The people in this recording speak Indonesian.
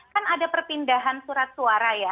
kan ada perpindahan surat suara ya